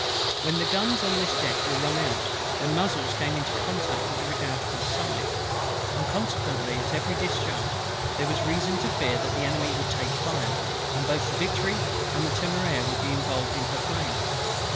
When the guns, on this deck were run out, their muzzles came into contact with the Redoutable's side; and consequently at every discharge there was reason to fear that the Enemy would take fire, and both the Victory and the Temeraire be involved in her flames.